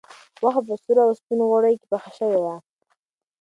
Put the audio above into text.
غوښه په سرو او سپینو غوړیو کې پخه شوې وه.